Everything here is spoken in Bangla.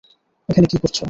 এখানে কি করছ?